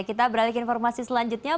kita beralih ke informasi selanjutnya